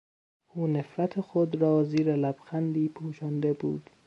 او نفرت خود را زیر لبخندی پوشانده بود.